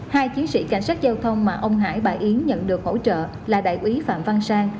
hai chiến sĩ cảnh sát giao thông mà ông hải bà yến nhận được hỗ trợ là đại úy phạm văn sang